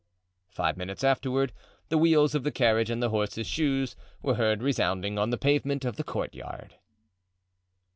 Five minutes afterward the wheels of the carriage and the horses' shoes were heard resounding on the pavement of the courtyard.